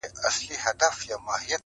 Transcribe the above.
o یو سړي ؤ په یو وخت کي سپی ساتلی,